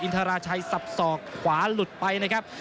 ทราชัยสับสอกขวาหลุดไปนะครับ